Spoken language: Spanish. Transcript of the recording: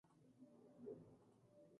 Tuvo una duración de cuatro capítulos.